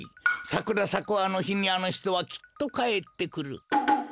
さくらさくあのひにあのひとはきっとかえってくる。